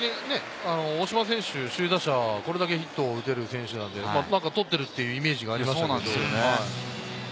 大島選手、首位打者、これだけヒットが打てる選手なので取ってるというイメージがありましたね。